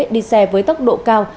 đi xe với tốc độ cao